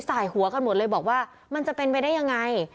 สายหัวกันหมดเลยบอกว่ามันจะเป็นไปได้ยังไง